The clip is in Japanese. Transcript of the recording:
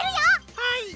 はい！